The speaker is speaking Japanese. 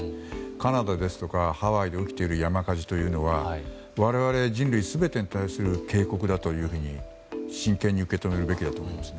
カナダですとかハワイで起きている山火事は我々、人類全てに対する警告だというふうに真剣に受け止めるべきだと思います。